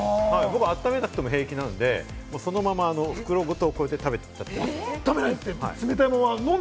温めなくても平気なので、そのまま袋ごと食べたりします。